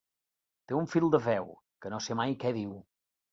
Té un fil de veu, que no sé mai què diu.